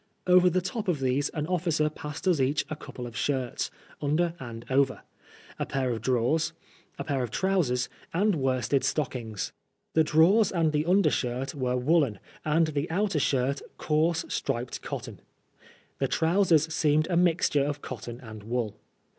Over the top of these an officer passed us each a couple of shirts (under and over), a pair of drawers, a pair of trousers, and worsted stock ings. The drawers and the under shirt were woollen, and the outer shirt coarse striped cotton. The trousers seemed a mixture of cotton and wool.